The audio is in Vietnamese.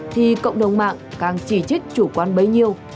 thì cộng đồng mạng càng chỉ trích chủ quan bấy nhiêu